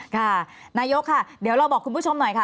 ค่ะนายกค่ะเดี๋ยวเราบอกคุณผู้ชมหน่อยค่ะ